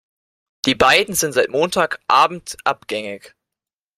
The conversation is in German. Die beiden sind seit Montag Abend abgängig.